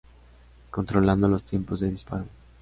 Controlando los tiempos de disparo.